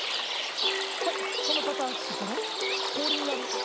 はいこのかたちからこおりになるよ。